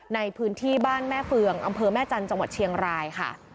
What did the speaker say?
ในพื้นที่บ้านแม่เฟืองอำเภอแม่จันทร์จังหวัดเชียงรายค่ะ